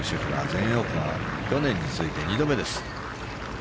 全英オープンは去年に続いて２度目です。